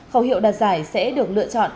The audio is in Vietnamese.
khẩu hiệu đặt giải sẽ được lựa chọn